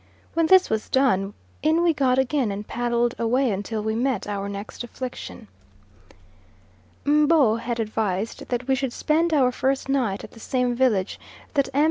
When this was done, in we got again and paddled away until we met our next affliction. M'bo had advised that we should spend our first night at the same village that M.